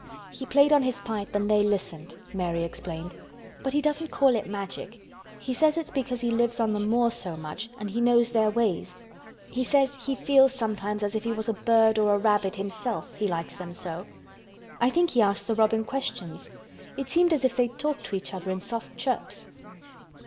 "He played on his pipe and they listened," Mary explained. "But he doesn't call it Magic. He says it's because he lives on the moor so much and he knows their ways. He says he feels sometimes as if he was a bird or a rabbit himself, he likes them so. I think he asked the robin questions. It seemed as if they talked to each other in soft chirps."